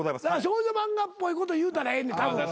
少女漫画っぽいこと言うたらええねんたぶん。